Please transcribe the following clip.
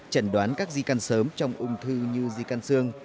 chẩn đoán các di can sớm trong ung thư như di can sương